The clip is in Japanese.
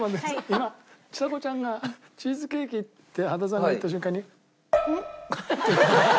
今ちさ子ちゃんが「チーズケーキ」って羽田さんが言った瞬間に。